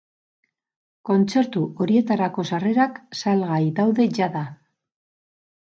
Kontzertu horietarako sarrerak salgai daude jada.